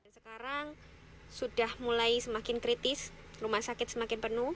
sekarang sudah mulai semakin kritis rumah sakit semakin penuh